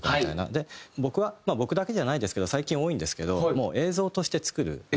で僕はまあ僕だけじゃないですけど最近多いんですけどもう映像として作る。